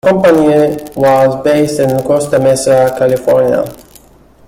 The company was based in Costa Mesa, California.